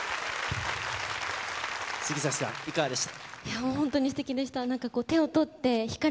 杉咲さん、いかがでした？